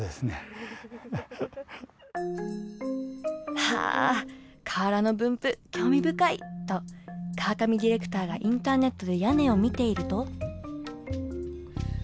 「はあ瓦の分布興味深い！」と川上ディレクターがインターネットで屋根を見ていると。